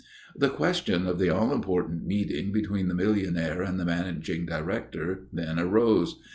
The question of the all important meeting between the millionaire and the managing director then arose.